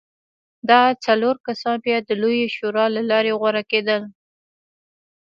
دا څلور کسان بیا د لویې شورا له لارې غوره کېدل.